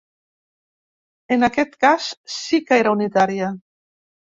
En aquest cas sí que era unitària.